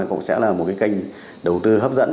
cũng sẽ là một cái kênh đầu tư hấp dẫn